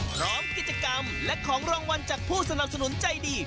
พร้อมกิจกรรมและของรางวัลจากผู้สนับสนุนใจดี